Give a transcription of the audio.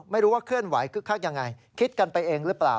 ไม่รู้ว่าเคลื่อนไหวคึกคักยังไงคิดกันไปเองหรือเปล่า